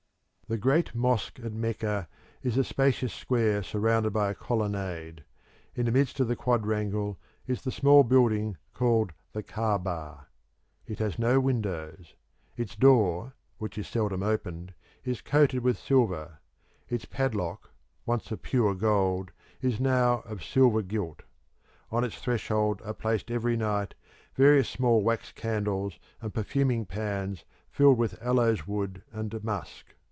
The Great Mosque at Mecca is a spacious square surrounded by a colonnade. In the midst of the quadrangle is the small building called the Caaba. It has no windows; its door, which is seldom opened, is coated with silver; its padlock, once of pure gold, is now of silver gilt. On its threshold are placed every night various small wax candles and perfuming pans filled with aloeswood and musk.